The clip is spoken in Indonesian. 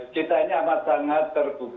kita hanya amat amat terbuka asal ada bukti ilmiahnya